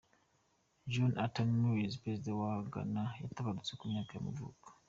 John Atta Mills, perezida wa wa Ghana yaratabarutse, ku myaka y’amavuko.